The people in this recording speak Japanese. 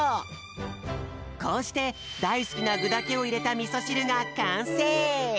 こうしてだいすきなぐだけをいれたみそしるがかんせい！